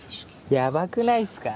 やばくないっすか？